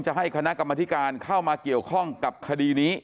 ให้คณะกรรมธิการเข้ามาเกี่ยวข้องกับคดีนี้